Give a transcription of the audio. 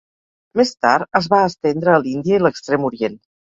Més tard, es va estendre a l'Índia i l'Extrem Orient.